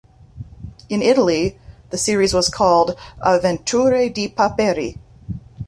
In Italy, the series was called "Avventure di paperi".